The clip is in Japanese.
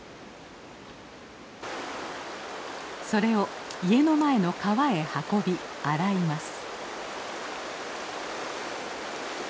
それを家の前の川へ運び洗います。